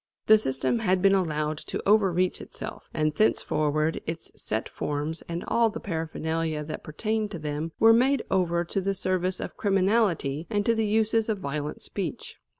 The system had been allowed to overreach itself, and thenceforward its set forms and all the paraphernalia that pertained to them were made over to the service of criminality and to the uses of violent speech.